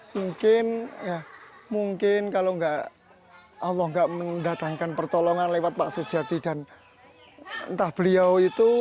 mungkin ya mungkin kalau allah enggak mendatangkan pertolongan lewat pak sejati dan entah beliau itu